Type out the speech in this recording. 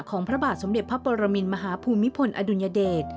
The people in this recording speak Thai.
พระบาทสมเด็จพระปรมินมหาภูมิพลอดุลยเดช